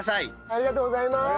ありがとうございます！